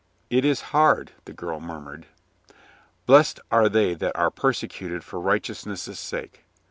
"It is hard," the girl murmured. "Blessed are they that are persecuted for right eousness' sake.